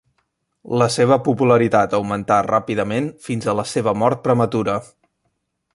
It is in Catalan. La seva popularitat augmentà ràpidament fins a la seva mort prematura.